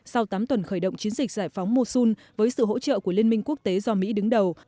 sau tám tuần khởi động chiến dịch giải phóng mosun với sự hỗ trợ của liên minh quốc tế do mỹ đứng đầu